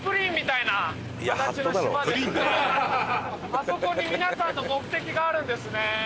あそこに皆さんの目的があるんですね。